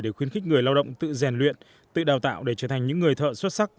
để khuyến khích người lao động tự rèn luyện tự đào tạo để trở thành những người thợ xuất sắc